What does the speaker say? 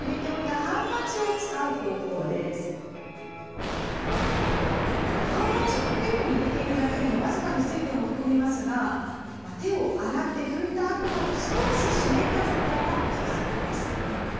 ハンカチはポケットに入れているだけでも僅かに水分を含みますが手を洗って拭いたあとなど少し湿った状態がおすすめ。